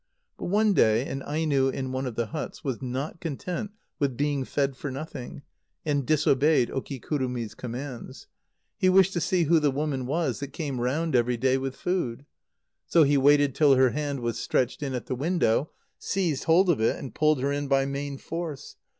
But one day an Aino in one of the huts was not content with being fed for nothing, and disobeyed Okikurumi's commands. He wished to see who the woman was that came round every day with food. So he waited till her hand was stretched in at the window, seized hold of it, and pulled her in by main force.